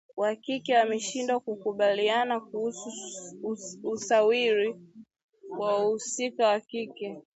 wa kike wameshindwa kukubaliana kuhusu usawiri wa wahusika wa kike